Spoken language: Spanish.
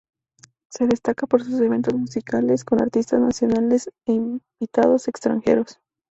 Se destaca por sus eventos musicales con artistas nacionales e invitados extranjeros.